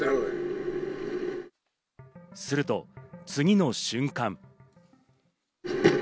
すると次の瞬間。